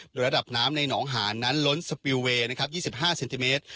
โดยระดับน้ำในหนองหานนั้นล้นสรุปเวชนะครับ๒๕เซนติเมตร